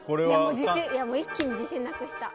もう一気に自信なくした。